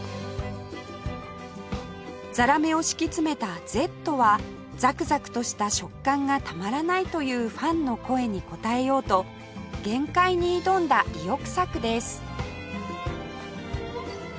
ザラメを敷き詰めた「Ｚ」はザクザクとした食感がたまらないというファンの声に応えようと限界に挑んだ意欲作です